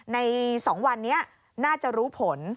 ใน๒วันนี้น่าจะรู้ผล